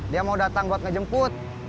dia mau datang buat ngejemput